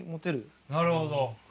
なるほど！